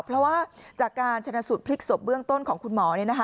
เพราะว่าจากการชนะสูตรพลิกศพเบื้องต้นของคุณหมอ